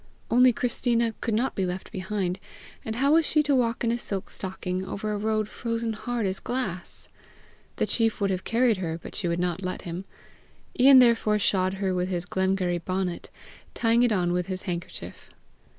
Only Christina could not be left behind, and how was she to walk in a silk stocking over a road frozen hard as glass? The chief would have carried her, but she would not let him. Ian therefore shod her with his Glengarry bonnet, tying it on with his handkerchief.